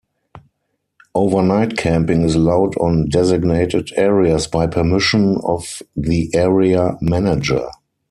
Overnight camping is allowed on designated areas by permission of the area manager.